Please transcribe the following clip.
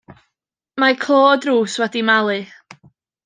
Mae clo y drws wedi malu.